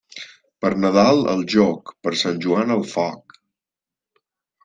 Per Nadal al jóc, per Sant Joan al foc.